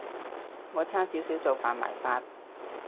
我差少少就犯埋法